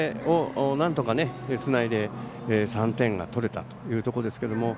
なんとかつないで３点が取れたというところですけども。